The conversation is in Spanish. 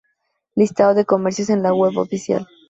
Listado de comercios en la web oficial